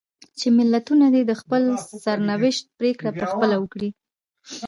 چې ملتونه دې د خپل سرنوشت پرېکړه په خپله وکړي.